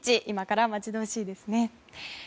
今から待ち遠しいですね。